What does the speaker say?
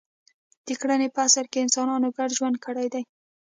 د کرنې په عصر کې انسانانو ګډ ژوند کړی دی.